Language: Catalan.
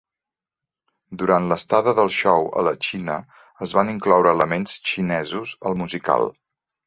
Durant l'estada del show a la Xina, es van incloure elements xinesos al musical.